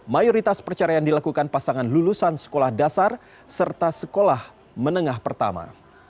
mayoritas perceraian dilakukan pasangan lulusan sekolah dasar serta sekolah menengah pertama